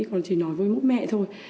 con chỉ nói với mỗi mẹ thôi